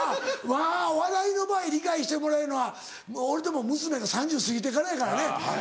まぁお笑いの場合理解してもらういうのは俺でも娘が３０過ぎてからやからね。